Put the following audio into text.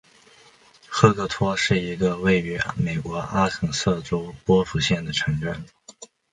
赫克托是一个位于美国阿肯色州波普县的城镇。